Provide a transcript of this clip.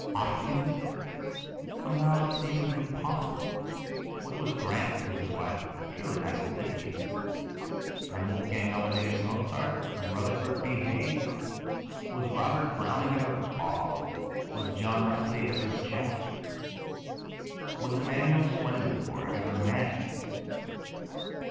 Ottchen? Somehow it seems impossible. What was Grant to his wife? Surely not Ulysses! And Wolfgang Amadeus Mozart? And Rutherford B. Hayes? Was Robert Browning ever Bob? Was John Wesley ever Jack? Was Emmanuel Swendenborg ever Manny?